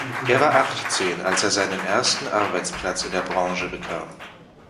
Er war achtzehn, als er seinen ersten Arbeitsplatz in der Branche bekam.